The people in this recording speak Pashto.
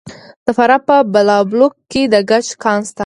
د فراه په بالابلوک کې د ګچ کان شته.